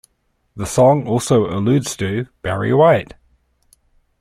The song also alludes to Barry White.